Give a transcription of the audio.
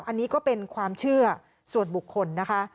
อันนี้ก็เป็นความเชื่อส่วนบุคคลนะคะ